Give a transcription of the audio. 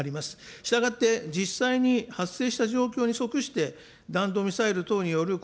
したがって、実際に発生した状況に即して弾道ミサイル等による攻